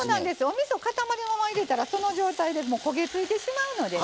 おみそかたまりのまま入れたらその状態でもう焦げついてしまうのでね